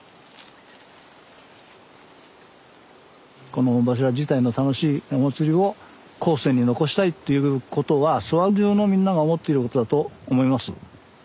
この御柱自体の楽しいお祭りを後世に残したいっていうことは諏訪じゅうのみんなが思っていることだと思います。